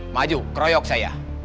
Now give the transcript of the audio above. maju keroyok saya